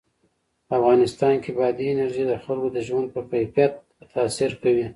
په افغانستان کې بادي انرژي د خلکو د ژوند په کیفیت تاثیر کوي.